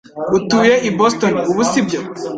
Utuye i Boston ubu si byo